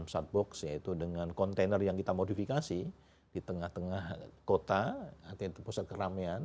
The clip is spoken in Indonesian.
satbox yaitu dengan kontainer yang kita modifikasi di tengah tengah kota atau pusat keramaian